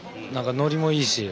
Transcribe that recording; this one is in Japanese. ノリもいいし？